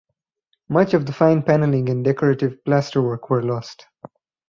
Much of the fine paneling and decorative plasterwork were lost.